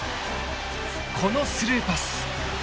このスルーパス。